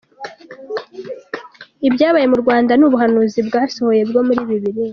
Ibyabaye mu Rwanda ni ubuhanuzi bwasohoye bwo muri Bibiliya!